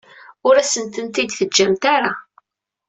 Ur asent-ten-id-teǧǧamt ara.